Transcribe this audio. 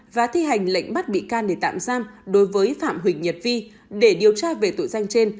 và thi hành lệnh bắt bị can để tạm giam đối với phạm huỳnh nhật vi để điều tra về tội danh trên